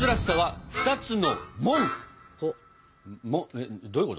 えっどういうこと？